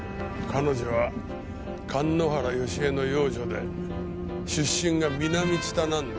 彼女は神之原芳江の養女で出身が南知多なんだよ。